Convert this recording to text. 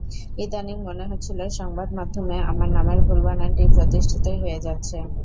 ইদানীং মনে হচ্ছিল, সংবাদমাধ্যমে আমার নামের ভুল বানানটি প্রতিষ্ঠিতই হয়ে যাচ্ছে।